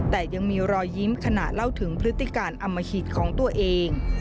แต่ยังมีรอยยิ้มขณะเล่าถึงพฤติการอมหิตของตัวเอง